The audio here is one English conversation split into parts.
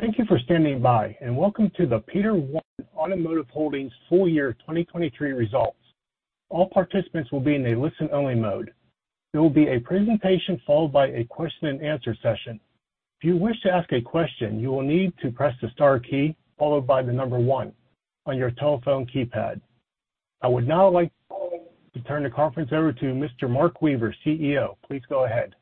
Thank you for standing by, and welcome to the Peter Warren Automotive Holdings full year 2023 results. All participants will be in a listen-only mode. There will be a presentation followed by a question and answer session. If you wish to ask a question, you will need to press the star key followed by the number one on your telephone keypad. I would now like to turn the conference over to Mr. Mark Weaver, CEO. Please go ahead.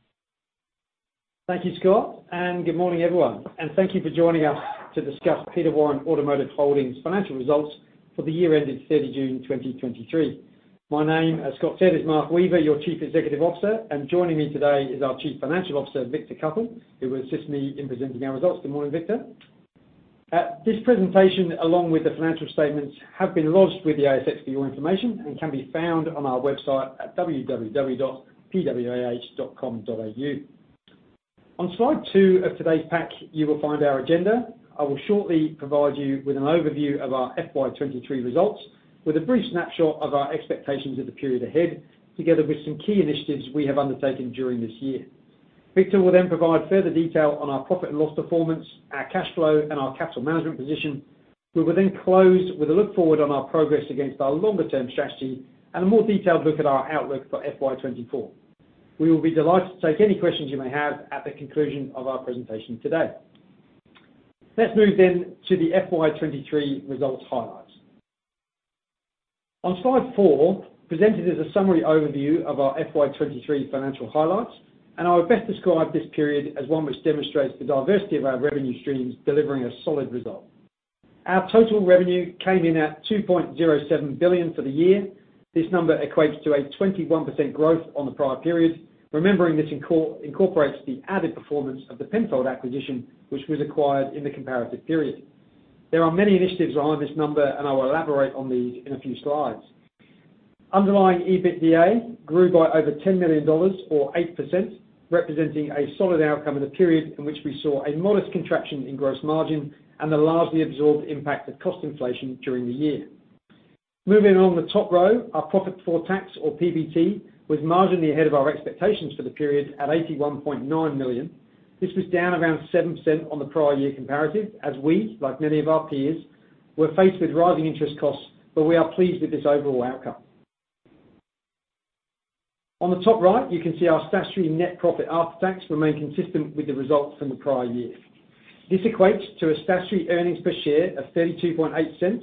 Thank you, Scott. Good morning, everyone. Thank you for joining us to discuss Peter Warren Automotive Holdings financial results for the year ending 30 June 2023. My name, as Scott said, is Mark Weaver, your Chief Executive Officer, and joining me today is our Chief Financial Officer, Victor Cuthell, who will assist me in presenting our results. Good morning, Victor. This presentation, along with the financial statements, have been lodged with the ASX for your information and can be found on our website at www.pwah.com.au. On slide two of today's pack, you will find our agenda. I will shortly provide you with an overview of our FY23 results, with a brief snapshot of our expectations of the period ahead, together with some key initiatives we have undertaken during this year. Victor will then provide further detail on our profit and loss performance, our cash flow, and our capital management position. We will close with a look forward on our progress against our longer-term strategy and a more detailed look at our outlook for FY24. We will be delighted to take any questions you may have at the conclusion of our presentation today. Let's move then to the FY23 results highlights. On slide four, presented as a summary overview of our FY23 financial highlights, and I would best describe this period as one which demonstrates the diversity of our revenue streams, delivering a solid result. Our total revenue came in at 2.07 billion for the year. This number equates to a 21% growth on the prior period, remembering this incorporates the added performance of the Penfold acquisition, which was acquired in the comparative period. There are many initiatives behind this number, and I will elaborate on these in a few slides. Underlying EBITDA grew by over 10 million dollars, or 8%, representing a solid outcome in the period in which we saw a modest contraction in gross margin and the largely absorbed impact of cost inflation during the year. Moving on the top row, our profit before tax, or PBT, was marginally ahead of our expectations for the period at 81.9 million. This was down around 7% on the prior year comparative, as we, like many of our peers, were faced with rising interest costs, but we are pleased with this overall outcome. On the top right, you can see our statutory net profit after tax remain consistent with the results from the prior year. This equates to a statutory earnings per share of 0.328.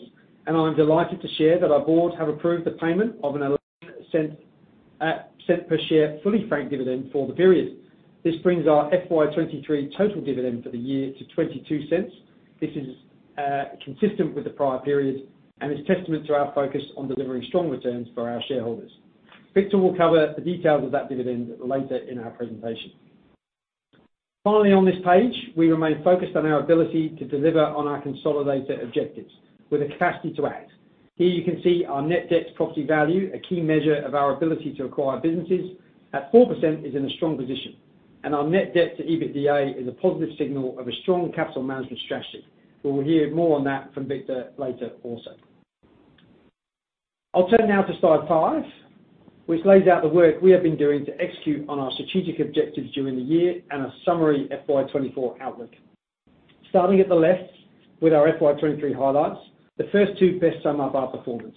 I'm delighted to share that our board have approved the payment of an cent per share, fully franked dividend for the period. This brings our FY23 total dividend for the year to 0.22. This is consistent with the prior period and is testament to our focus on delivering strong returns for our shareholders. Victor will cover the details of that dividend later in our presentation. Finally, on this page, we remain focused on our ability to deliver on our consolidated objectives with a capafity to act. Here you can see our net debt to property value, a key measure of our ability to acquire businesses, at 4% is in a strong position. Our net debt to EBITDA is a positive signal of a strong capital management strategy. We will hear more on that from Victor later also. I'll turn now to slide fiv, which lays out the work we have been doing to execute on our strategic objectives during the year and a summary FY24 outlook. Starting at the left with our FY23 highlights, the first two best sum up our performance.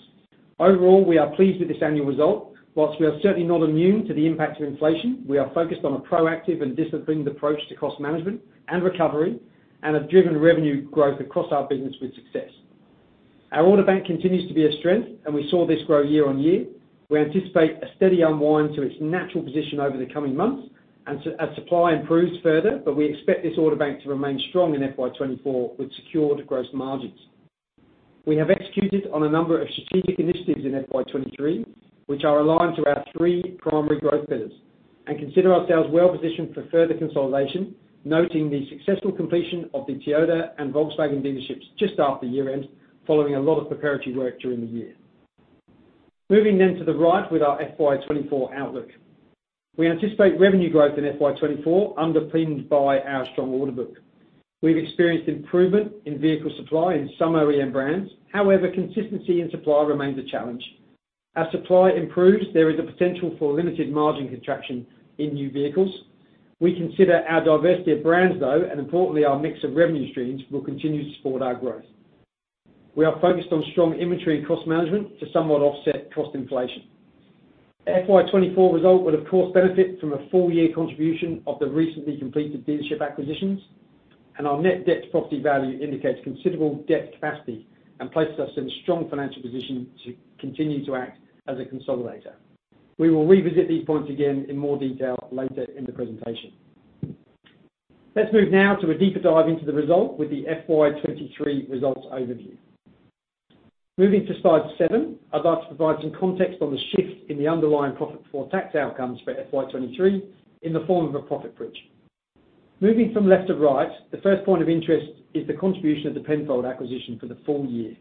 Overall, we are pleased with this annual result. Whilst we are certainly not immune to the impact of inflation, we are focused on a proactive and disciplined approach to cost management and recovery and have driven revenue growth across our business with success. Our order bank continues to be a strength. We saw this grow year-on-year. We anticipate a steady unwind to its natural position over the coming months as supply improves further. We expect this order bank to remain strong in FY24 with secured gross margins. We have executed on a number of strategic initiatives in FY23, which are aligned to our three primary growth pillars. We consider ourselves well positioned for further consolidation, noting the successful completion of the Toyota and Volkswagen dealerships just after year-end, following a lot of preparatory work during the year. Moving to the right with our FY24 outlook. We anticipate revenue growth in FY24, underpinned by our strong order book. We've experienced improvement in vehicle supply in some OEM brands. However, consistency in supply remains a challenge. As supply improves, there is a potential for limited margin contraction in new vehicles. We consider our diversity of brands, though, and importantly, our mix of revenue streams will continue to support our growth. We are focused on strong inventory and cost management to somewhat offset cost inflation. FY24 result would, of course, benefit from a full year contribution of the recently completed dealership acquisitions, and our net debt property value indicates considerable debt capacity and places us in a strong financial position to continue to act as a consolidator. We will revisit these points again in more detail later in the presentation. Let's move now to a deeper dive into the result with the FY23 results overview. Moving to slide seven, I'd like to provide some context on the shift in the underlying profit for tax outcomes for FY23 in the form of a profit bridge. Moving from left to right, the first point of interest is the contribution of the Penfold acquisition for the full year.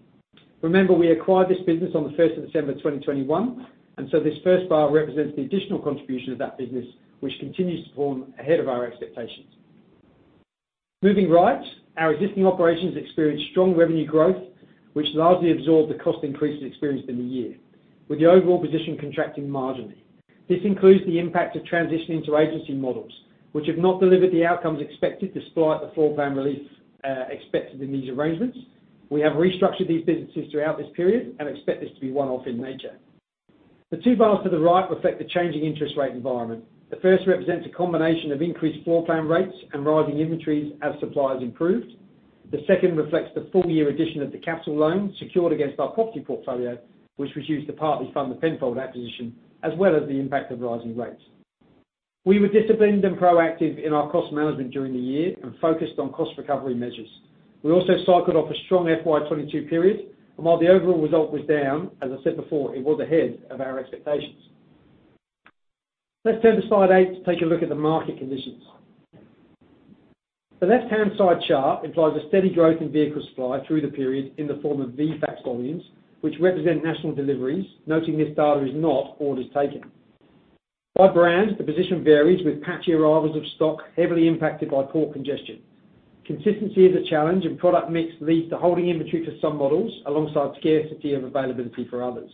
Remember, we acquired this business on the first of December 2021. So this first bar represents the additional contribution of that business, which continues to form ahead of our expectations. Moving right, our existing operations experienced strong revenue growth, which largely absorbed the cost increases experienced in the year, with the overall position contracting marginally. This includes the impact of transitioning to agency models, which have not delivered the outcomes expected, despite the floor plan relief expected in these arrangements. We have restructured these businesses throughout this period and expect this to be one-off in nature. The two bars to the right reflect the changing interest rate environment. The first represents a combination of increased floor plan rates and rising inventories as suppliers improved. The second reflects the full-year addition of the capital loan secured against our property portfolio, which was used to partly fund the Penfold acquisition, as well as the impact of rising rates. We were disciplined and proactive in our cost management during the year and focused on cost recovery measures. We also cycled off a strong FY22 period. While the overall result was down, as I said before, it was ahead of our expectations. Let's turn to slide eight to take a look at the market conditions. The left-hand side chart implies a steady growth in vehicle supply through the period in the form of VFACTS volumes, which represent national deliveries, noting this data is not orders taken. By brand, the position varies with patchy arrivals of stock heavily impacted by port congestion. Consistency is a challenge, and product mix leads to holding inventory for some models, alongside scarcity and availability for others.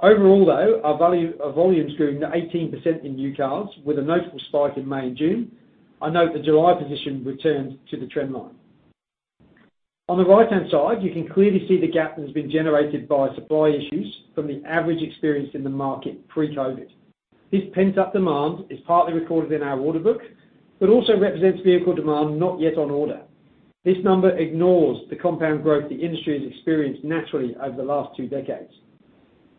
Overall, though, our volume grew 18% in new cars with a notable spike in May and June. I note the July position returned to the trend line. On the right-hand side, you can clearly see the gap that has been generated by supply issues from the average experienced in the market pre-COVID. This pent-up demand is partly recorded in our order book, but also represents vehicle demand not yet on order. This number ignores the compound growth the industry has experienced naturally over the last two decades.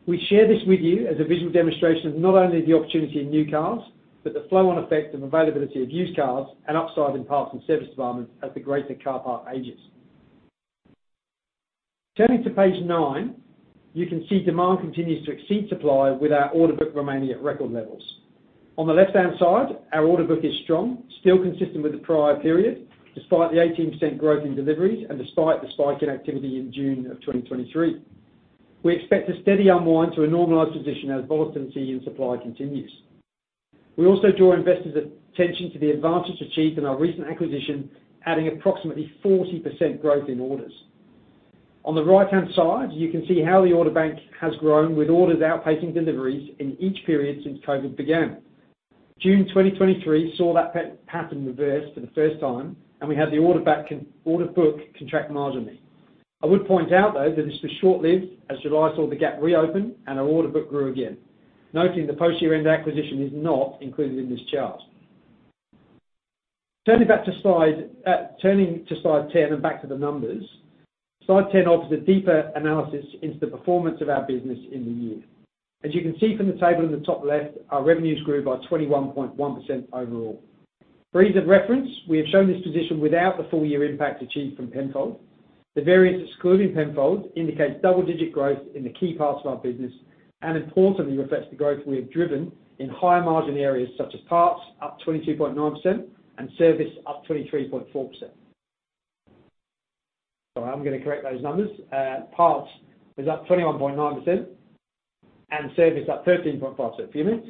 We share this with you as a visual demonstration of not only the opportunity in new cars, but the flow-on effect of availability of used cars and upside in parts and service departments as the greater car park ages. Turning to page nine, you can see demand continues to exceed supply, with our order book remaining at record levels. On the left-hand side, our order book is strong, still consistent with the prior period, despite the 18% growth in deliveries and despite the spike in activity in June of 2023. We expect a steady unwind to a normalized position as volatility in supply continues. We also draw investors' attention to the advances achieved in our recent acquisition, adding approximately 40% growth in orders. On the right-hand side, you can see how the order bank has grown with orders outpacing deliveries in each period since COVID began. June 2023 saw that pattern reverse for the first time, and we had the order book contract marginally. I would point out, though, that this was short-lived, as July saw the gap reopen and our order book grew again, noting the post-year-end acquisition is not included in this chart. Turning back to slide, Turning to Slide 10 and back to the numbers. Slide 10 offers a deeper analysis into the performance of our business in the year. As you can see from the table in the top left, our revenues grew by 21.1% overall. For ease of reference, we have shown this position without the full year impact achieved from Penfold. The variance excluding Penfold indicates double-digit growth in the key parts of our business, and importantly, reflects the growth we have driven in higher margin areas such as parts, up 22.9%, and service up 23.4%. Sorry, I'm gonna correct those numbers. Parts is up 21.9% and service up 13.5%. For a minute.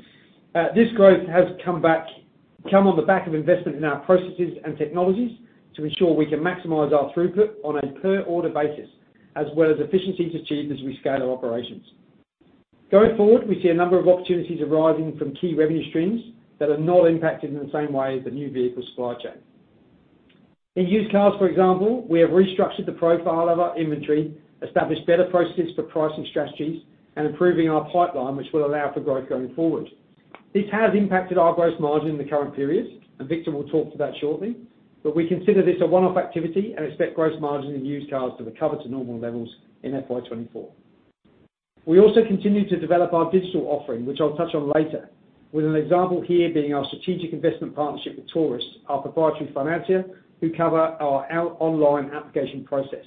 This growth has come on the back of investment in our processes and technologies to ensure we can maximize our throughput on a per-order basis, as well as efficiencies achieved as we scale our operations. Going forward, we see a number of opportunities arising from key revenue streams that are not impacted in the same way as the new vehicle supply chain. In used cars, for example, we have restructured the profile of our inventory, established better processes for pricing strategies, and improving our pipeline, which will allow for growth going forward. This has impacted our gross margin in the current periods, and Victor will talk to that shortly. We consider this a one-off activity and expect gross margin in used cars to recover to normal levels in FY24. We also continue to develop our digital offering, which I'll touch on later, with an example here being our strategic investment partnership with Taurus, our proprietary financier, who cover our online application process.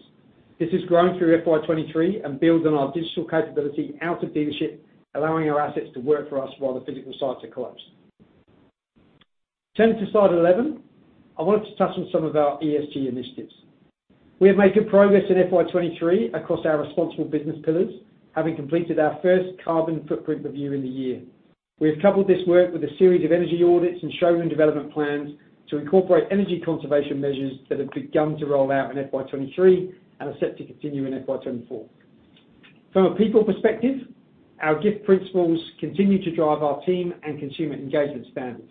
This has grown through FY23 and builds on our digital capability out of dealership, allowing our assets to work for us while the physical sites are closed. Turning to slide 11, I wanted to touch on some of our ESG initiatives. We have made good progress in FY23 across our responsible business pillars, having completed our first carbon footprint review in the year. We have coupled this work with a series of energy audits and shown development plans to incorporate energy conservation measures that have begun to roll out in FY23 and are set to continue in FY24. From a people perspective, our GIFT principles continue to drive our team and consumer engagement standards.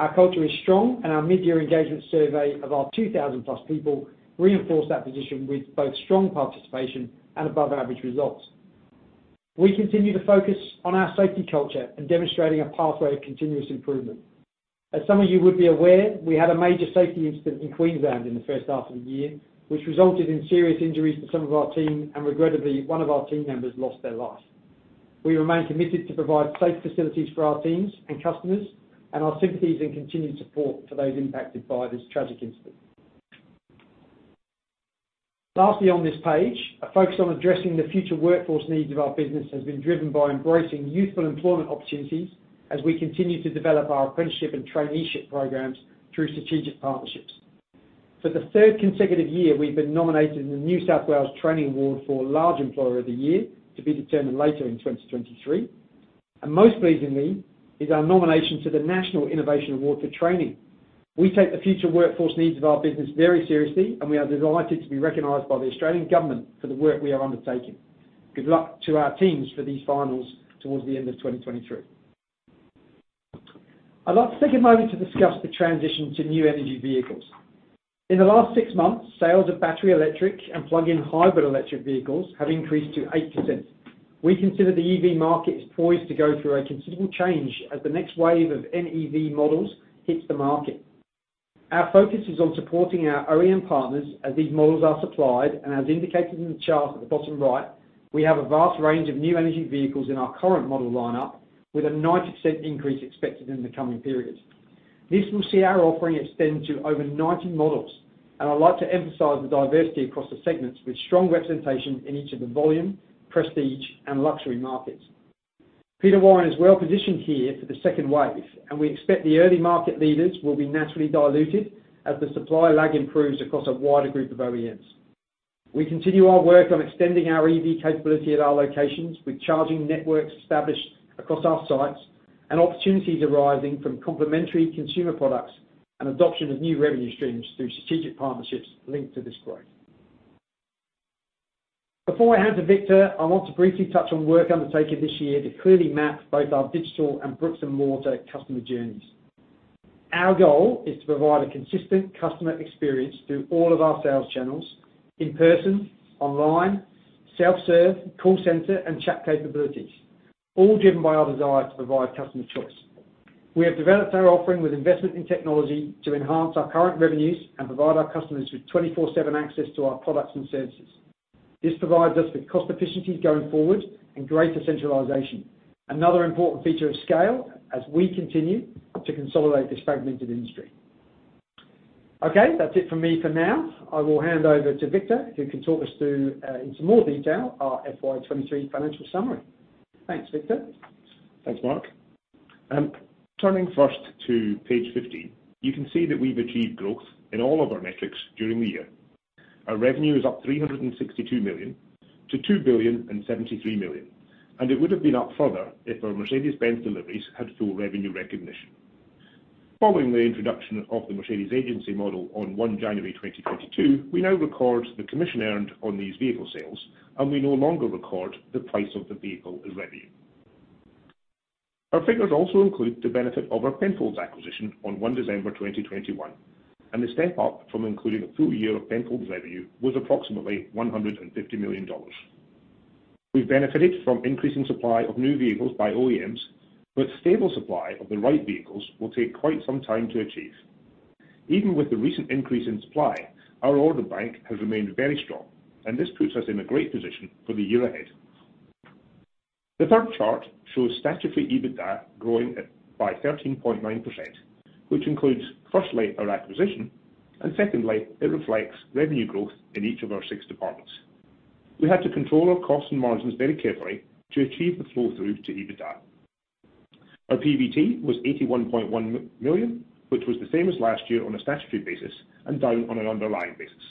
Our culture is strong, and our mid-year engagement survey of our 2,000-plus people reinforced that position with both strong participation and above-average results. We continue to focus on our safety culture and demonstrating a pathway of continuous improvement. As some of you would be aware, we had a major safety incident in Queensland in the first half of the year, which resulted in serious injuries to some of our team, and regrettably, one of our team members lost their life. We remain committed to provide safe facilities for our teams and customers. Our sympathies and continued support to those impacted by this tragic incident. Lastly, on this page, a focus on addressing the future workforce needs of our business has been driven by embracing youthful employment opportunities as we continue to develop our apprenticeship and traineeship programs through strategic partnerships. For the third consecutive year, we've been nominated in the New South Wales Training Award for Large Employer of the Year, to be determined later in 2023. Most pleasingly is our nomination to the National Innovation Award for Training. We take the future workforce needs of our business very seriously, and we are delighted to be recognized by the Australian Government for the work we are undertaking. Good luck to our teams for these finals towards the end of 2023. I'd like to take a moment to discuss the transition to new energy vehicles. In the last six months, sales of battery electric and plug-in hybrid electric vehicles have increased to 8%. We consider the EV market is poised to go through a considerable change as the next wave of NEV models hits the market. Our focus is on supporting our OEM partners as these models are supplied, and as indicated in the chart at the bottom right, we have a vast range of new energy vehicles in our current model lineup, with a 90% increase expected in the coming periods. This will see our offering extend to over 90 models, and I'd like to emphasize the diversity across the segments with strong representation in each of the volume, prestige, and luxury markets. Peter Warren is well-positioned here for the second wave. We expect the early market leaders will be naturally diluted as the supply lag improves across a wider group of OEMs. We continue our work on extending our EV capability at our locations, with charging networks established across our sites and opportunities arising from complementary consumer products and adoption of new revenue streams through strategic partnerships linked to this growth. Before I hand to Victor, I want to briefly touch on work undertaken this year to clearly map both our digital and bricks-and-mortar customer journeys. Our goal is to provide a consistent customer experience through all of our sales channels: in person, online, self-serve, call center, and chat capabilities, all driven by our desire to provide customer choice. We have developed our offering with investment in technology to enhance our current revenues and provide our customers with 24/7 access to our products and services. This provides us with cost efficiencies going forward and greater centralization, another important feature of scale as we continue to consolidate this fragmented industry. Okay, that's it for me for now. I will hand over to Victor, who can talk us through in some more detail our FY23 financial summary. Thanks, Victor. Thanks, Mark. Turning first to page 15, you can see that we've achieved growth in all of our metrics during the year. Our revenue is up 362 million, to 2,073 million, and it would have been up further if our Mercedes-Benz deliveries had full revenue recognition. Following the introduction of the Mercedes agency model on one January 2022, we now record the commission earned on these vehicle sales, and we no longer record the price of the vehicle as revenue. Our figures also include the benefit of our Penfold acquisition on one December 2021, and the step up from including a full year of Penfold revenue was approximately A150 million. We've benefited from increasing supply of new vehicles by OEMs, but stable supply of the right vehicles will take quite some time to achieve. Even with the recent increase in supply, our order bank has remained very strong, and this puts us in a great position for the year ahead. The third chart shows statutory EBITDA growing by 13.9%, which includes, firstly, our acquisition, and secondly, it reflects revenue growth in each of our six departments. We had to control our costs and margins very carefully to achieve the flow-through to EBITDA. Our PBT was 81.1 million, which was the same as last year on a statutory basis and down on an underlying basis.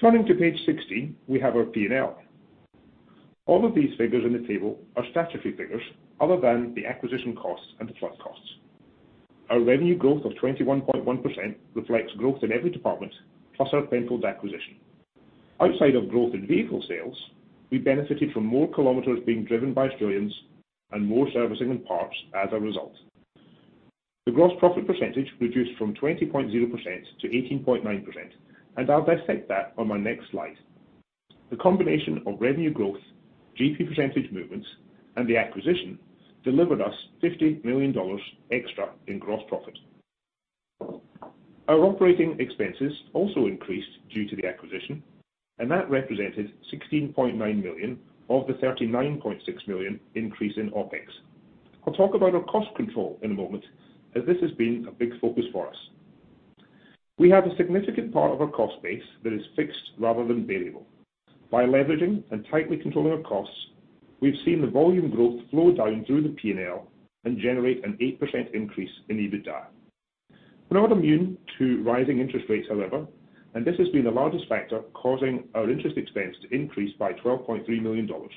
Turning to page 16, we have our P&L. All of these figures in the table are statutory figures, other than the acquisition costs and the front costs. Our revenue growth of 21.1% reflects growth in every department, plus our Penfold acquisition. Outside of growth in vehicle sales, we benefited from more kilometers being driven by Australians and more servicing and parts as a result. The gross profit percentage reduced from 20.0% to 18.9%, and I'll dissect that on my next slide. The combination of revenue growth, GP percentage movements, and the acquisition delivered us 50 million dollars extra in gross profit. Our operating expenses also increased due to the acquisition, and that represented 16.9 million of the 39.6 million increase in OpEx. I'll talk about our cost control in a moment, as this has been a big focus for us. We have a significant part of our cost base that is fixed rather than variable. By leveraging and tightly controlling our costs, we've seen the volume growth flow down through the P&L and generate an 8% increase in EBITDA. We're not immune to rising interest rates, however, this has been the largest factor causing our interest expense to increase by 12.3 million dollars.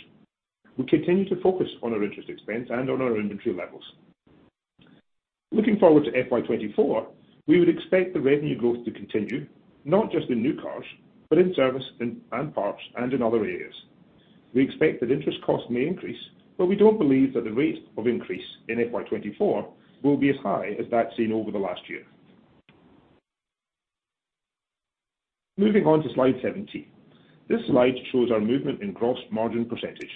We continue to focus on our interest expense and on our inventory levels. Looking forward to FY24, we would expect the revenue growth to continue, not just in new cars, but in service and parts and in other areas. We expect that interest costs may increase. We don't believe that the rate of increase in FY24 will be as high as that seen over the last year. Moving on to slide 17. This slide shows our movement in gross margin percentage.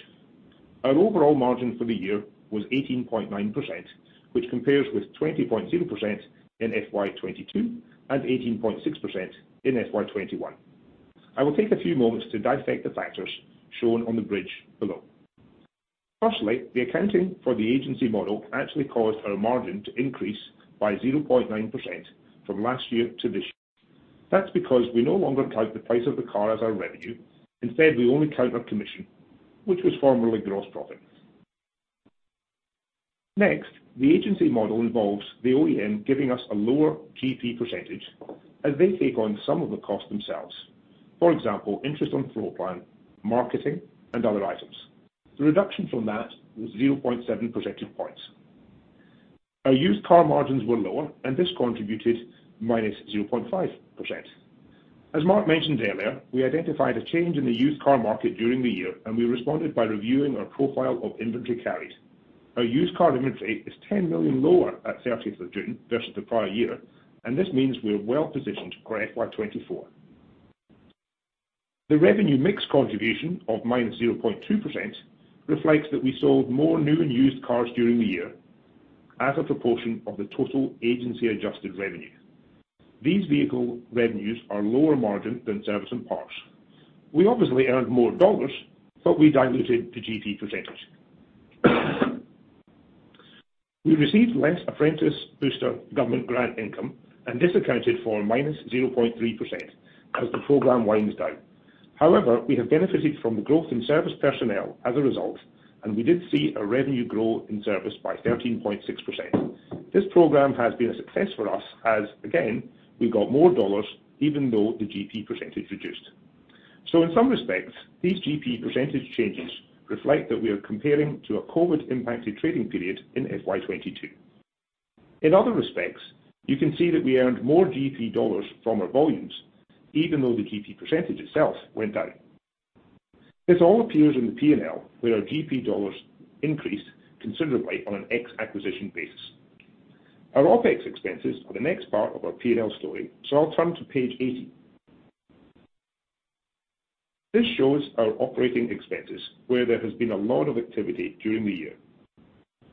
Our overall margin for the year was 18.9%, which compares with 20.0% in FY22 and 18.6% in FY21. I will take a few moments to dissect the factors shown on the bridge below. Firstly, the accounting for the agency model actually caused our margin to increase by 0.9% from last year to this year. That's because we no longer count the price of the car as our revenue. Instead, we only count our commission, which was formerly gross profit. Next, the agency model involves the OEM giving us a lower GP percentage as they take on some of the costs themselves. For example, interest on floor plan, marketing, and other items.... The reduction from that was 0.7 percentage points. Our used car margins were lower, and this contributed -0.5%. As Mark mentioned earlier, we identified a change in the used car market during the year, and we responded by reviewing our profile of inventory carried. Our used car inventory is 10 million lower at 30th of June versus the prior year, this means we're well positioned to grow FY24. The revenue mix contribution of -0.2% reflects that we sold more new and used Are lower margin than service and parts. We obviously earned more dollars, we diluted the GP percentage. We received less Apprentice Booster government grant income, this accounted for -0.3%, as the program winds down. However, we have benefited from the growth in service personnel as a result, we did see a revenue growth in service by 13.6%. This program has been a success for us, as, again, we got more dollars even though the GP percentage reduced. In some respects, these GP percentage changes reflect that we are comparing to a COVID-impacted trading period in FY22. In other respects, you can see that we earned more GP dollars from our volumes, even though the GP percentage itself went down. This all appears in the P&L, where our GP dollars increased considerably on an ex-acquisition basis. Our OpEx expenses are the next part of our P&L story, so I'll turn to page 18. This shows our operating expenses, where there has been a lot of activity during the year.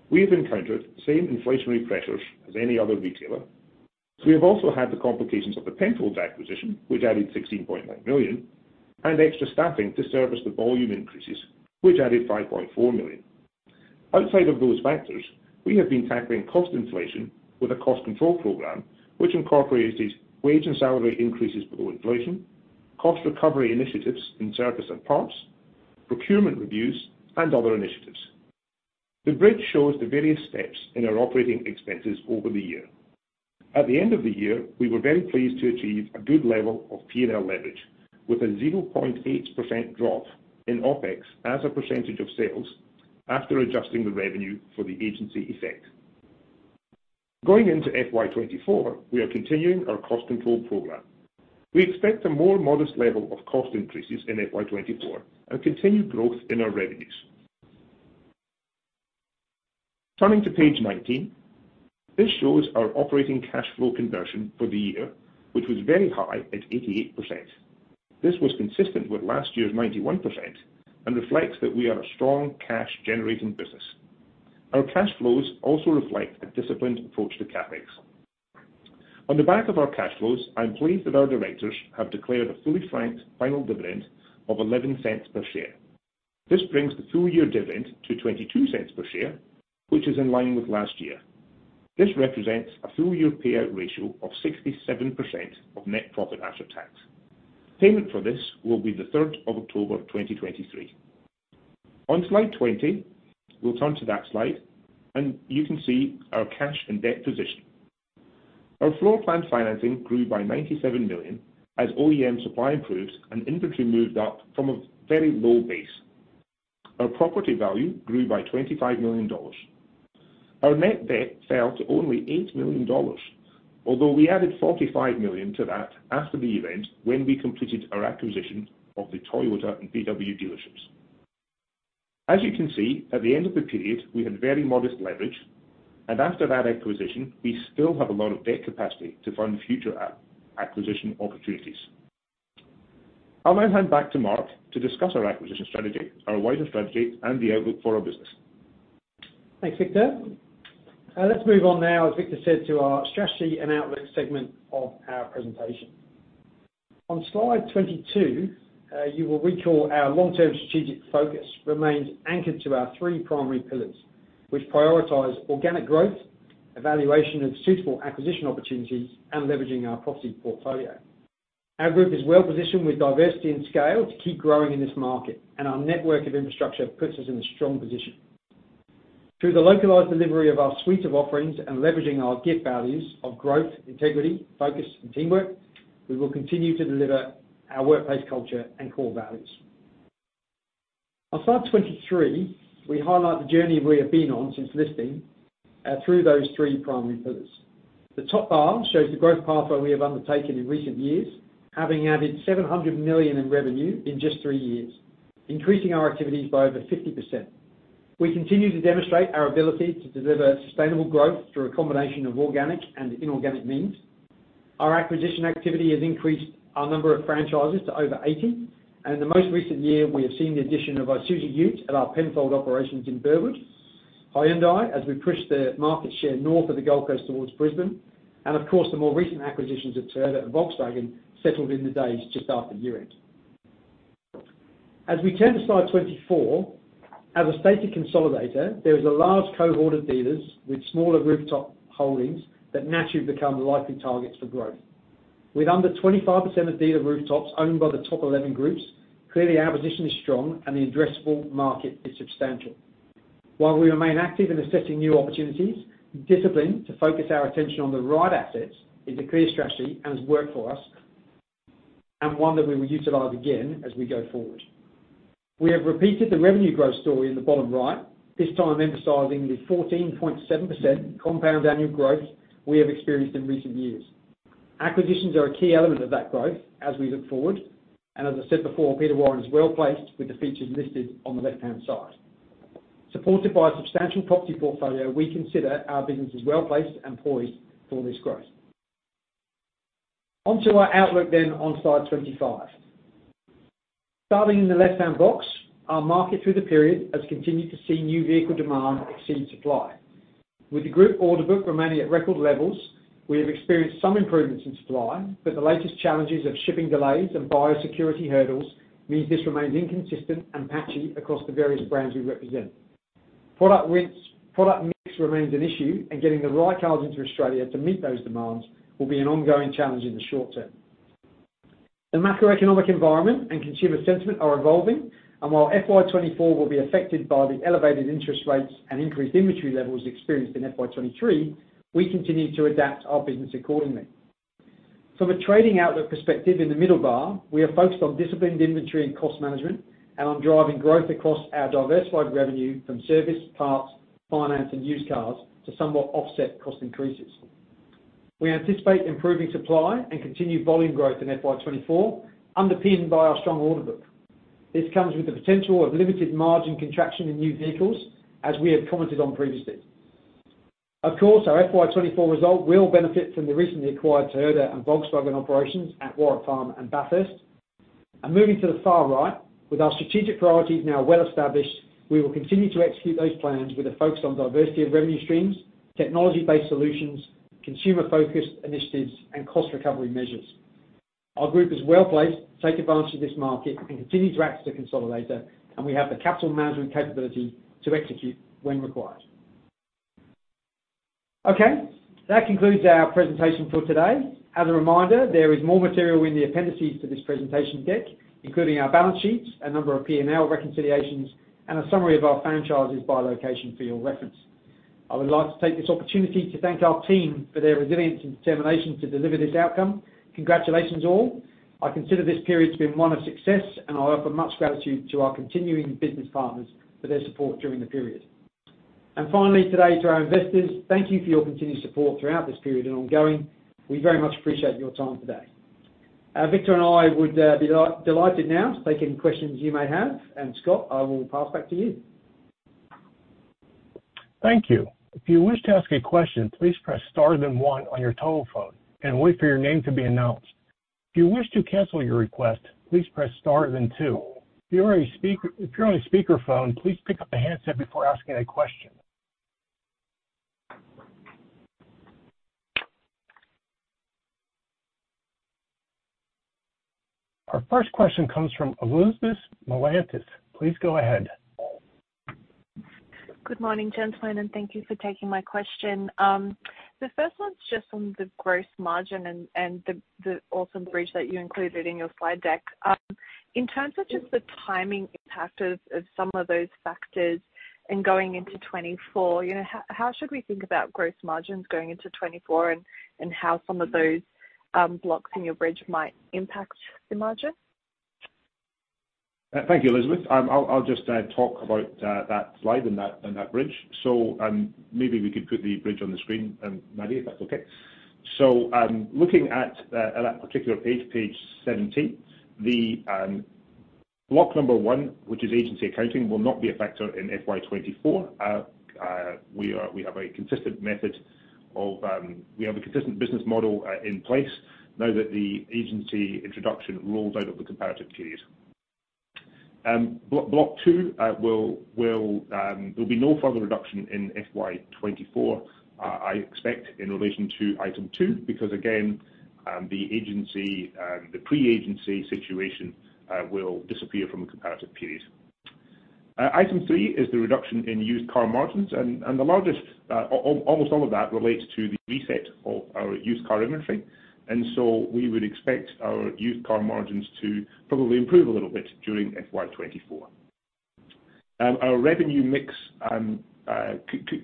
We have encountered the same inflationary pressures as any other retailer, so we have also had the complications of the Penfold acquisition, which added 16.9 million, and extra staffing to service the volume increases, which added 5.4 million. Outside of those factors, we have been tackling cost inflation with a cost control program, which incorporates these wage and salary increases below inflation, cost recovery initiatives in service and parts, procurement reviews, and other initiatives. The bridge shows the various steps in our operating expenses over the year. At the end of the year, we were very pleased to achieve a good level of P&L leverage, with a 0.8% drop in OpEx as a percentage of sales, after adjusting the revenue for the agency effect. Going into FY24, we are continuing our cost control program. We expect a more modest level of cost increases in FY24 and continued growth in our revenues. Turning to page 19, this shows our operating cash flow conversion for the year, which was very high at 88%. This was consistent with last year's 91% and reflects that we are a strong cash-generating business. Our cash flows also reflect a disciplined approach to CapEx. On the back of our cash flows, I'm pleased that our directors have declared a fully frank final dividend of 0.11 per share. This brings the full-year dividend to 0.22 per share, which is in line with last year. This represents a full-year payout ratio of 67% of net profit after tax. Payment for this will be the 3rd of October, 2023. On slide 20, we'll turn to that slide, and you can see our cash and debt position. Our floor plan financing grew by 97 million, as OEM supply improved and inventory moved up from a very low base. Our property value grew by 25 million dollars. Our net debt fell to only 8 million dollars, although we added 45 million to that after the event when we completed our acquisition of the Toyota and VW dealerships. As you can see, at the end of the period, we had very modest leverage, and after that acquisition, we still have a lot of debt capacity to fund future acquisition opportunities. I'll now hand back to Mark to discuss our acquisition strategy, our wider strategy, and the outlook for our business. Thanks, Victor. Let's move on now, as Victor said, to our strategy and outlook segment of our presentation. On slide 22, you will recall our long-term strategic focus remains anchored to our three primary pillars, which prioritize organic growth, evaluation of suitable acquisition opportunities, and leveraging our property portfolio. Our group is well-positioned with diversity and scale to keep growing in this market, and our network of infrastructure puts us in a strong position. Through the localized delivery of our suite of offerings and leveraging our GIFT values of growth, integrity, focus, and teamwork, we will continue to deliver our workplace culture and core values. On slide 23, we highlight the journey we have been on since listing, through those three primary pillars. The top bar shows the growth pathway we have undertaken in recent years, having added 700 million in revenue in just three years, increasing our activities by over 50%. We continue to demonstrate our ability to deliver sustainable growth through a combination of organic and inorganic means. Our acquisition activity has increased our number of franchises to over 80, and in the most recent year, we have seen the addition of Isuzu UTE at our Penfold operations in Burwood, Hyundai, as we push the market share north of the Gold Coast towards Brisbane, and of course, the more recent acquisitions of Toyota and Volkswagen, settled in the days just after year-end. As we turn to slide 24, as a stated consolidator, there is a large cohort of dealers with smaller rooftop holdings that naturally become likely targets for growth. With under 25% of dealer rooftops owned by the top 11 groups, clearly our position is strong and the addressable market is substantial. While we remain active in assessing new opportunities, discipline to focus our attention on the right assets is a clear strategy and has worked for us. One that we will utilize again as we go forward. We have repeated the revenue growth story in the bottom right, this time emphasizing the 14.7% compound annual growth we have experienced in recent years. Acquisitions are a key element of that growth as we look forward, as I said before, Peter Warren is well-placed with the features listed on the left-hand side. Supported by a substantial property portfolio, we consider our business is well-placed and poised for this growth. On to our outlook on slide 25. Starting in the left-hand box, our market through the period has continued to see new vehicle demand exceed supply. With the group order book remaining at record levels, we have experienced some improvements in supply, but the latest challenges of shipping delays and biosecurity hurdles means this remains inconsistent and patchy across the various brands we represent. Product mix, product mix remains an issue, and getting the right cars into Australia to meet those demands will be an ongoing challenge in the short term. The macroeconomic environment and consumer sentiment are evolving, and while FY24 will be affected by the elevated interest rates and increased inventory levels experienced in FY23, we continue to adapt our business accordingly. From a trading outlook perspective in the middle bar, we are focused on disciplined inventory and cost management, and on driving growth across our diversified revenue from service, parts, finance, and used cars to somewhat offset cost increases. We anticipate improving supply and continued volume growth in FY24, underpinned by our strong order book. This comes with the potential of limited margin contraction in new vehicles, as we have commented on previously. Of course, our FY24 result will benefit from the recently acquired Toyota and Volkswagen operations at Warwick Farm and Bathurst. Moving to the far right, with our strategic priorities now well established, we will continue to execute those plans with a focus on diversity of revenue streams, technology-based solutions, consumer-focused initiatives, and cost recovery measures. Our group is well-placed to take advantage of this market and continue to act as a consolidator, and we have the capital management capability to execute when required. Okay, that concludes our presentation for today. As a reminder, there is more material in the appendices to this presentation deck, including our balance sheets, a number of P&L reconciliations, and a summary of our franchises by location for your reference. I would like to take this opportunity to thank our team for their resilience and determination to deliver this outcome. Congratulations, all. I consider this period to be one of success. I offer much gratitude to our continuing business partners for their support during the period. Finally, today, to our investors, thank you for your continued support throughout this period and ongoing. We very much appreciate your time today. Victor and I would be delighted now to take any questions you may have, and Scott, I will pass back to you. Thank you. If you wish to ask a question, please press star then one on your telephone and wait for your name to be announced. If you wish to cancel your request, please press star then two. If you're on a speakerphone, please pick up the handset before asking a question. Our first question comes from Elizabeth Miliatis. Please go ahead. Good morning, gentlemen, and thank you for taking my question. The first one's just on the gross margin and the awesome bridge that you included in your slide deck. In terms of just the timing impact of some of those factors in going into 2024, you know, how should we think about gross margins going into 2024, and how some of those blocks in your bridge might impact the margin? Thank you, Elizabeth. I'll, I'll just talk about that slide and that, and that bridge. Maybe we could put the bridge on the screen, Maddie, if that's okay. Looking at that particular page, page 17, the block number one, which is agency accounting, will not be a factor in FY24. We have a consistent method of, we have a consistent business model in place now that the agency introduction rolls out of the comparative period. Block two will, will, there'll be no further reduction in FY24, I expect, in relation to item two, because again, the agency, the pre-agency situation will disappear from the comparative period. Item three is the reduction in used car margins, and the largest, almost all of that relates to the reset of our used car inventory. We would expect our used car margins to probably improve a little bit during FY24. Our revenue mix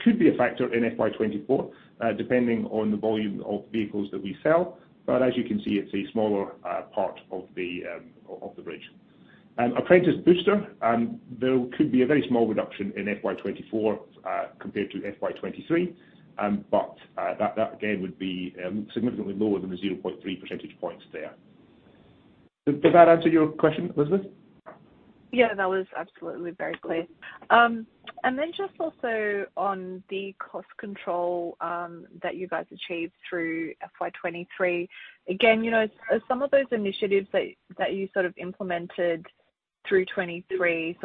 could be a factor in FY24, depending on the volume of vehicles that we sell. As you can see, it's a smaller part of the bridge. Apprentice Booster, there could be a very small reduction in FY24 compared to FY23, that again, would be significantly lower than the 0.3 percentage points there. Did that answer your question, Elizabeth? Yeah, that was absolutely very clear. Then just also on the cost control that you guys achieved through FY23. Again, are some of those initiatives that, that you implemented through 2023,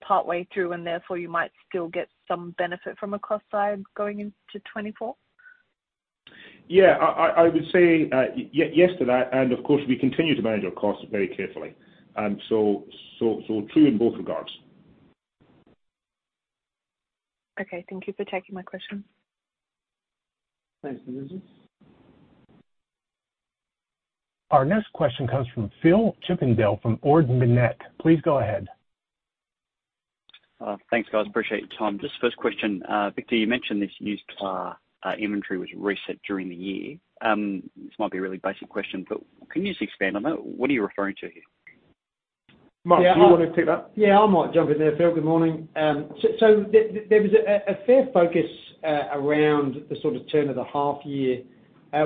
partway through, and therefore you might still get some benefit from a cost side going into 2024? Yeah, I, I, I would say, yes to that, and of course, we continue to manage our costs very carefully. so, so true in both regards. Okay, thank you for taking my question. Thanks, Elizabeth. Our next question comes from Phillip Chippindale of Ord Minnett. Please go ahead. Thanks, guys. Appreciate your time. Just first question, Victor, you mentioned this used car inventory was reset during the year. This might be a really basic question, but can you just expand on that? What are you referring to here? Mark, do you want to pick up? Yeah, I might jump in there, Phil. Good morning. So there, there was a fair focus around the sort of turn of the half year.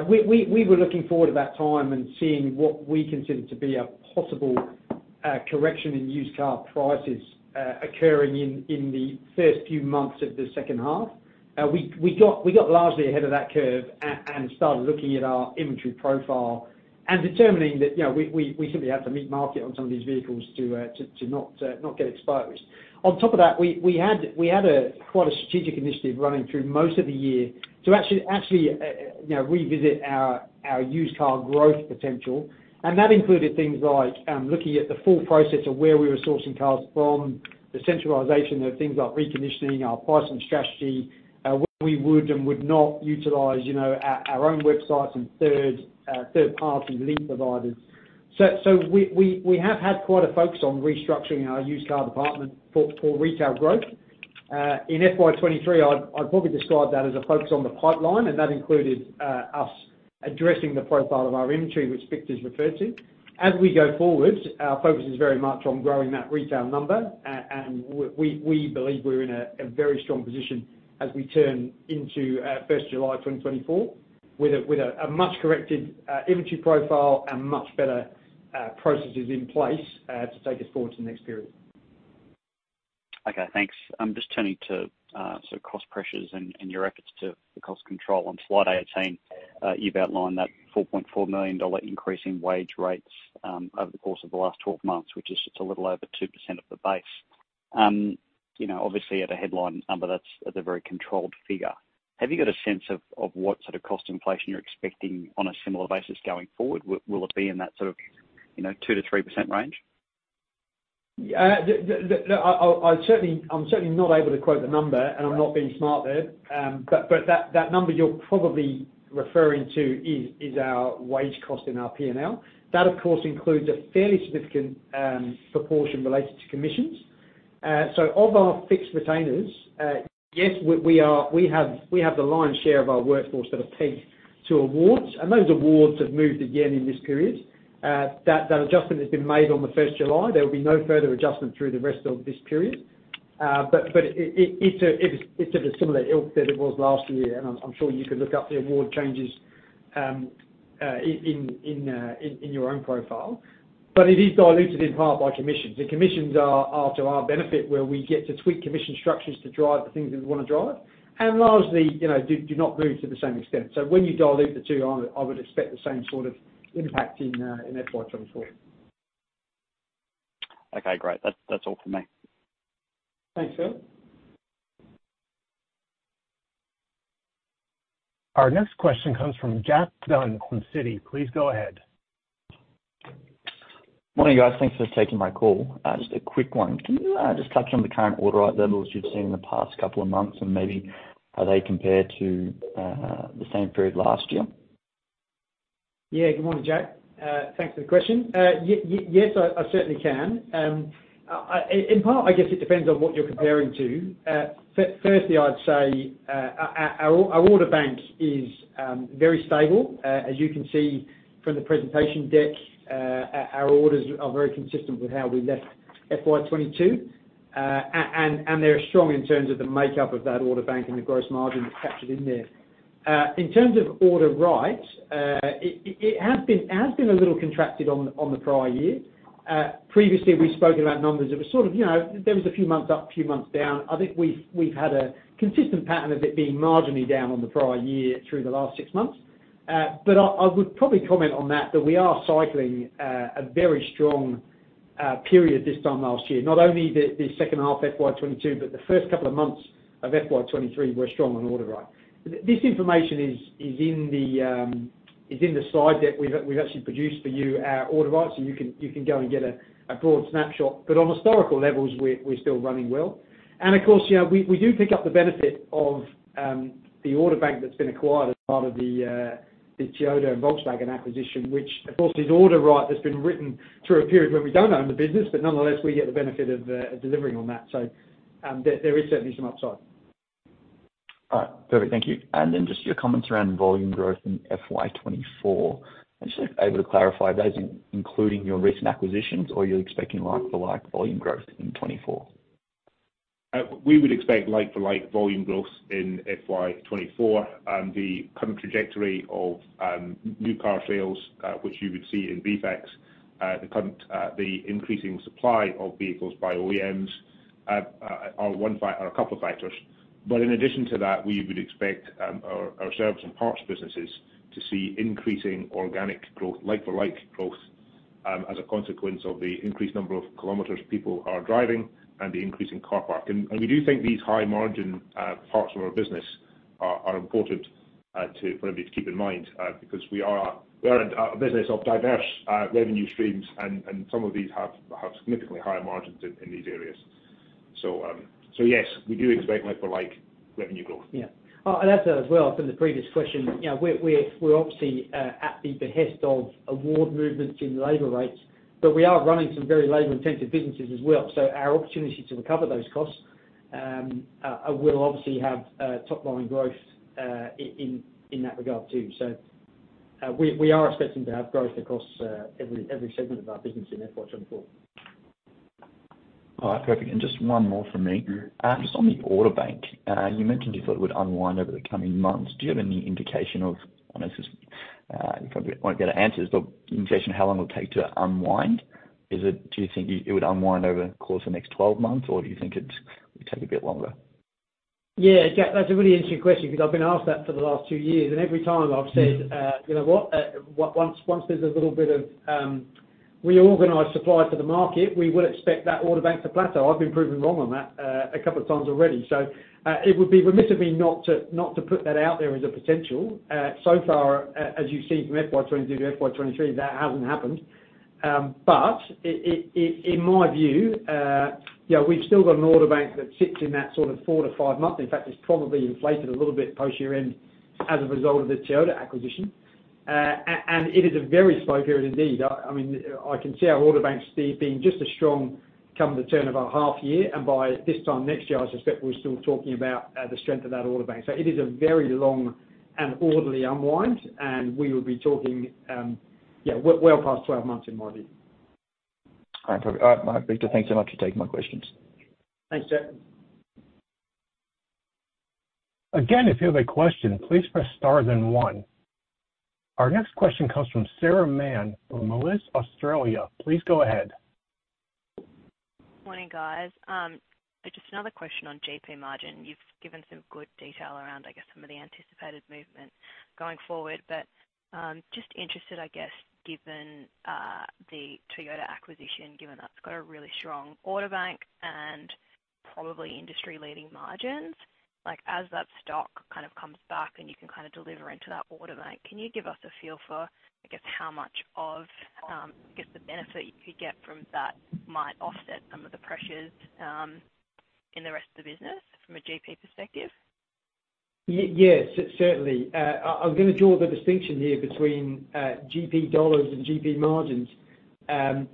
We, we, we were looking forward at that time and seeing what we considered to be a possible correction in used car prices, occurring in, in the first few months of the second half. We, we got, we got largely ahead of that curve and started looking at our inventory profile and determining that, you know, we, we, we simply had to meet market on some of these vehicles to, to not, not get exposed. On top of that, we, we had, we had a quite a strategic initiative running through most of the year to actually, actually, you know, revisit our, our used car growth potential. That included things like, looking at the full process of where we were sourcing cars from, the centralization of things like reconditioning, our pricing strategy, where we would and would not utilize, you know, our, our own websites and third, third party lead providers. We have had quite a focus on restructuring our used car department for, for retail growth. In FY23, I'd, I'd probably describe that as a focus on the pipeline, and that included, us addressing the profile of our inventory, which Victor's referred to. As we go forward, our focus is very much on growing that retail number. We believe we're in a very strong position as we turn into 1st July, 2024, with a much corrected inventory profile and much better processes in place to take us forward to the next period. Okay, thanks. I'm just turning to cost pressures and your efforts to the cost control. On slide 18, you've outlined that 4.4 million dollar increase in wage rates over the course of the last 12 months, which is just a little over 2% of the base. You know, obviously, at a headline number, that's at a very controlled figure. Have you got a sense of what sort of cost inflation you're expecting on a similar basis going forward? Will it be in that sort of, you know, 2%-3% range? I'm certainly not able to quote the number, and I'm not being smart there. But that, that number you're probably referring to is, is our wage cost in our P&L. That, of course, includes a fairly significant proportion related to commissions. Of our fixed retainers, yes, we have, we have the lion's share of our workforce that are paid to awards, and those awards have moved again in this period. That, that adjustment has been made on the first July. There will be no further adjustment through the rest of this period. But it's a, it's of a similar ilk that it was last year, and I'm, I'm sure you can look up the award changes in, in, in, in your own profile. It is diluted in part by commissions. The commissions are, are to our benefit, where we get to tweak commission structures to drive the things that we want to drive, and largely, you know, do, do not move to the same extent. So when you dilute the two, I, I would expect the same sort of impact in FY24. Okay, great. That's, that's all for me. Thanks, Phil. Our next question comes from Jack Dunn from Citi. Please go ahead. Morning, guys. Thanks for taking my call. Just a quick one. Can you just touch on the current order levels you've seen in the past couple of months, and maybe how they compare to the same period last year? Yeah. Good morning, Jack. Thanks for the question. Yes, I, I certainly can. In part, I guess it depends on what you're comparing to. Firstly, I'd say, our, our, our order bank is very stable. As you can see from the presentation deck, our, our orders are very consistent with how we left FY22. And they're strong in terms of the makeup of that order bank and the gross margin that's captured in there. In terms of order right, it, it, it has been, has been a little contracted on, on the prior year. Previously, we've spoken about numbers. It was sort of, you know, there was a few months up, few months down. I think we've, we've had a consistent pattern of it being marginally down on the prior year through the last six months. I, I would probably comment on that, that we are cycling, a very strong, period this time last year. Not only the, the second half of FY22, but the first couple of months of FY23 were strong on order right. this information is, is in the, is in the slide deck we've, we've actually produced for you, our order right. You can, you can go and get a, a broad snapshot. On historical levels, we're, we're still running well. Of course, you know, we, we do pick up the benefit of the order bank that's been acquired as part of the Toyota and Volkswagen acquisition, which of course, is order right, that's been written through a period where we don't own the business, but nonetheless, we get the benefit of delivering on that. There, there is certainly some upside. All right. Perfect. Thank you. Then just your comments around volume growth in FY24. Just able to clarify, that's including your recent acquisitions, or you're expecting like-for-like volume growth in 2024? We would expect like-for-like volume growth in FY24. The current trajectory of new car sales, which you would see in VFACTS, the current, the increasing supply of vehicles by OEMs, are one fact- or a couple of factors. In addition to that, we would expect our, our service and parts businesses to see increasing organic growth, like-for-like growth, as a consequence of the increased number of kilometers people are driving and the increase in car park. We do think these high-margin parts of our business are important to-- for maybe to keep in mind because we are, we are a business of diverse revenue streams, and some of these have significantly higher margins in these areas. Yes, we do expect like-for-like-... revenue growth. Yeah. As well, from the previous question, you know, we're, we're, we're obviously, at the behest of award movements in labor rates, but we are running some very labor-intensive businesses as well. Our opportunity to recover those costs, will obviously have, top line growth, in that regard, too. We, we are expecting to have growth across, every, every segment of our business in FY24. All right, perfect. Just one more from me. Just on the order bank, you mentioned you thought it would unwind over the coming months. Do you have any indication of, I know this is, you probably won't be able to answer, but indication of how long it will take to unwind? Do you think it would unwind over the course of the next 12 months, or do you think it would take a bit longer? Yeah, Jack, that's a really interesting question, because I've been asked that for the last two years, and every time I've said-... you know what? Once, once there's a little bit of reorganized supply for the market, we would expect that order bank to plateau. I've been proven wrong on that, a couple of times already. It would be remiss of me not to, not to put that out there as a potential. So far, as you've seen from FY22 to FY23, that hasn't happened. In my view, you know, we've still got an order bank that sits in that sort of 4 to 5 months. In fact, it's probably inflated a little bit post-year-end as a result of the Toyota acquisition. It is a very slow period indeed. I, I mean, I can see our order bank still being just as strong come the turn of our half year, and by this time next year, I suspect we're still talking about the strength of that order bank. It is a very long and orderly unwind, and we will be talking, yeah, well, well past 12 months in my view. All right. All right, Victor, thanks so much for taking my questions. Thanks, Jack. Again, if you have a question, please press star then one. Our next question comes from Sarah Mann, from Moelis Australia. Please go ahead. Morning, guys. Just another question on GP margin. You've given some good detail around, I guess, some of the anticipated movement going forward, but just interested, I guess, given the Toyota acquisition, given that's got a really strong order bank and probably industry-leading margins, like, as that stock kind of comes back and you can kind of deliver into that order bank, can you give us a feel for, I guess, how much of, I guess, the benefit you could get from that might offset some of the pressures in the rest of the business from a GP perspective? Yes, certainly. I'm going to draw the distinction here between GP dollars and GP margins.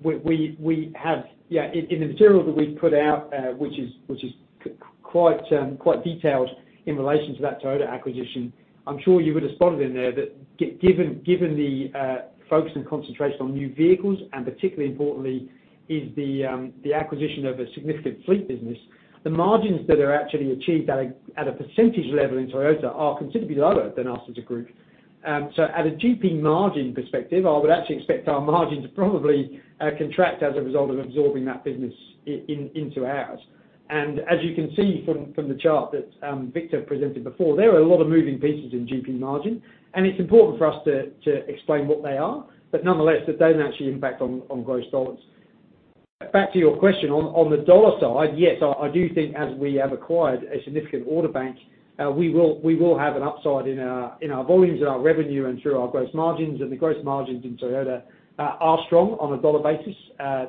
We, we, we have, yeah, in the material that we've put out, which is, which is quite, quite detailed in relation to that Toyota acquisition, I'm sure you would have spotted in there that given, given the focus and concentration on new vehicles, and particularly importantly, is the acquisition of a significant fleet business, the margins that are actually achieved at a, at a percentage level in Toyota are considerably lower than us as a group. At a GP margin perspective, I would actually expect our margins to probably contract as a result of absorbing that business in, into ours. As you can see from, from the chart that Victor presented before, there are a lot of moving pieces in GP margin, and it's important for us to, to explain what they are, but nonetheless, that don't actually impact on, on gross dollars. Back to your question, on, on the dollar side, yes, I, I do think as we have acquired a significant order bank, we will, we will have an upside in our, in our volumes and our revenue and through our gross margins, and the gross margins in Toyota are strong on a dollar basis.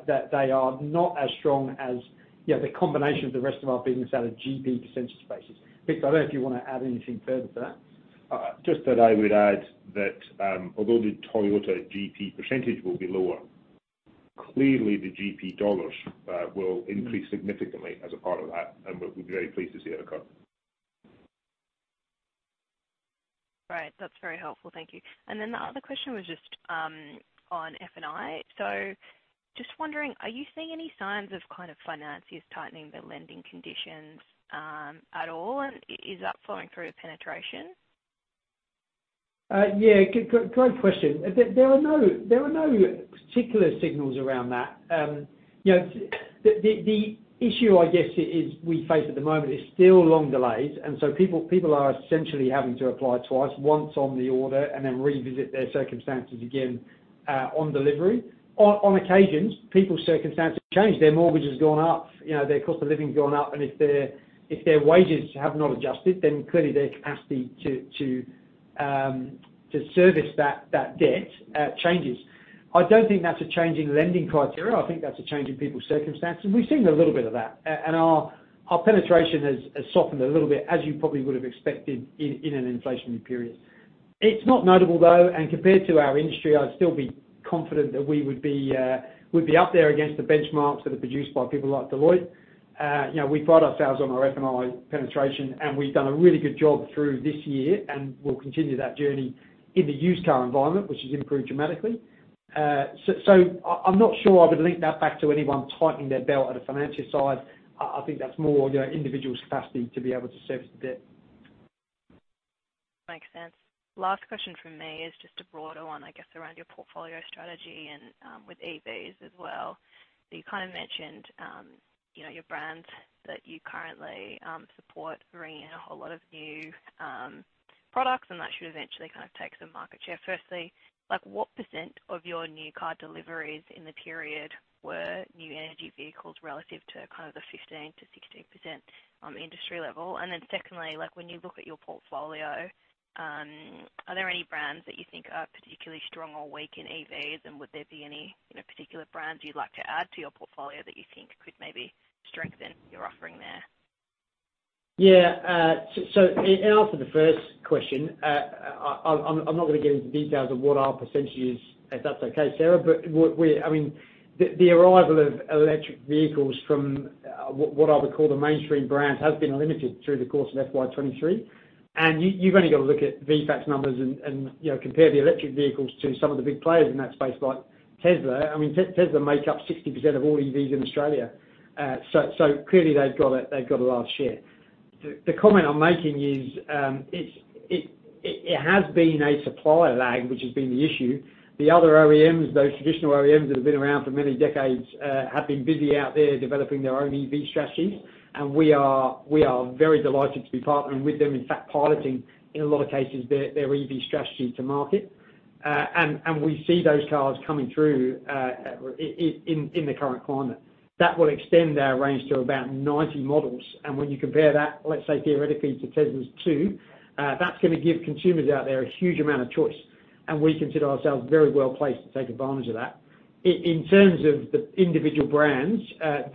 That they are not as strong as the combination of the rest of our business at a GP percentage basis. Victor, I don't know if you want to add anything further to that? Just that I would add that, although the Toyota GP % will be lower, clearly the GP dollars will increase significantly as a part of that, and we'll be very pleased to see it occur. Right. That's very helpful. Thank you. The other question was just on F&I. Just wondering, are you seeing any signs of kind of financiers tightening their lending conditions at all? Is that flowing through to penetration? Yeah, great question. There, there are no, there are no particular signals around that. You know, the issue, I guess, is we face at the moment is still long delays, and so people, people are essentially having to apply twice, once on the order, and then revisit their circumstances again, on delivery. On, on occasions, people's circumstances change, their mortgage has gone up, you know, their cost of living has gone up, if their, if their wages have not adjusted, then clearly their capacity to service that, that debt changes. I don't think that's a change in lending criteria. I think that's a change in people's circumstances. We've seen a little bit of that, and our, our penetration has, has softened a little bit, as you probably would have expected in, in an inflationary period. It's not notable, though, and compared to our industry, I'd still be confident that we would be, we'd be up there against the benchmarks that are produced by people like Deloitte. You know, we pride ourselves on our FNI penetration, and we've done a really good job through this year, and we'll continue that journey in the used car environment, which has improved dramatically. So I'm not sure I would link that back to anyone tightening their belt on the financial side. I think that's more, you know, individual's capacity to be able to service the debt. Makes sense. Last question from me is just a broader one, I guess, around your portfolio strategy and with EVs as well. You kind of mentioned, you know, your brands that you currently support bringing in a whole lot of new products, and that should eventually kind of take some market share. Firstly, like, what % of your new car deliveries in the period were new energy vehicles relative to kind of the 15%-16% industry level? Secondly, like, when you look at your portfolio, are there any brands that you think are particularly strong or weak in EVs, and would there be any, you know, particular brands you'd like to add to your portfolio that you think could maybe strengthen your offering there? Yeah, in answer to the first question, I'm not gonna get into the details of what our percentage is, if that's okay, Sarah. What we-- I mean, the arrival of electric vehicles from what I would call the mainstream brands, has been limited through the course of FY23. You, you've only got to look at VFACTS numbers and, and, you know, compare the electric vehicles to some of the big players in that space like Tesla. I mean, Tesla make up 60% of all EVs in Australia. Clearly they've got a, they've got a large share. The comment I'm making is, it's, it, it has been a supplier lag, which has been the issue. The other OEMs, those traditional OEMs that have been around for many decades, have been busy out there developing their own EV strategies. We are, we are very delighted to be partnering with them, in fact, piloting, in a lot of cases, their, their EV strategy to market. We see those cars coming through, in, in, in the current climate. That will extend our range to about 90 models, when you compare that, let's say, theoretically, to Tesla's two, that's gonna give consumers out there a huge amount of choice. We consider ourselves very well placed to take advantage of that. In, in terms of the individual brands,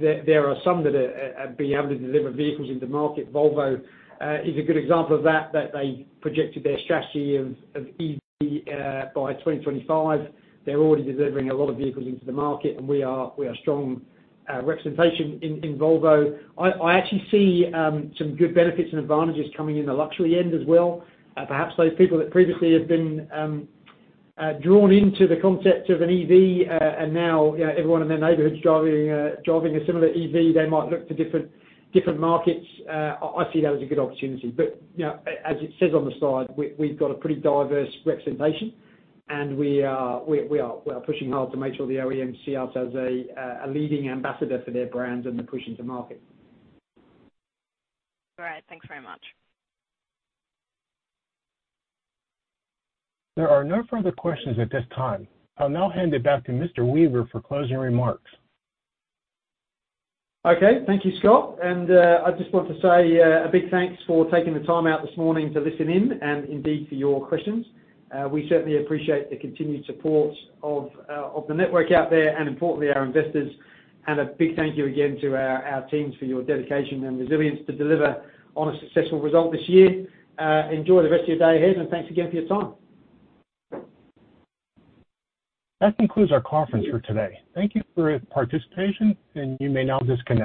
there, there are some that are, have been able to deliver vehicles into market. Volvo is a good example of that, that they projected their strategy of, of EV by 2025. We are, we are strong representation in, in Volvo. I, I actually see some good benefits and advantages coming in the luxury end as well. Perhaps those people that previously have been drawn into the concept of an EV, now, you know, everyone in their neighborhood is driving a, driving a similar EV, they might look to different, different markets. I, I see that as a good opportunity. you know, as it says on the side, we, we've got a pretty diverse representation, and we are, we, we are, we are pushing hard to make sure the OEM see us as a leading ambassador for their brands and the push into market. All right. Thanks very much. There are no further questions at this time. I'll now hand it back to Mr. Weaver for closing remarks. Okay. Thank you, Scott. I just want to say a big thanks for taking the time out this morning to listen in, and indeed for your questions. We certainly appreciate the continued support of the network out there, and importantly, our investors. A big thank you again to our, our teams for your dedication and resilience to deliver on a successful result this year. Enjoy the rest of your day ahead, and thanks again for your time. That concludes our conference for today. Thank you for your participation, and you may now disconnect.